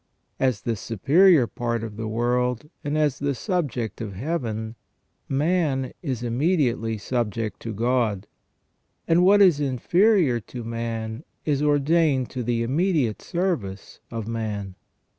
As the superior part of this world, and as the subject of Heaven, man is immediately subject to God, and what is inferior to man is ordained to the immediate service of man.